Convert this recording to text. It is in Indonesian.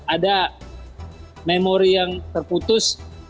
ada memori yang terputus